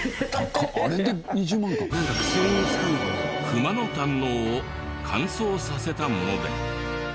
クマの胆嚢を乾燥させたもので。